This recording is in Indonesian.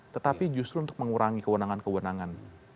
tetapi justru untuk mengurangi kewenangan kewenangan